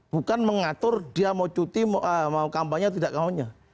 bukan mengatur dia mau cuti mau kampanye atau tidak kampanye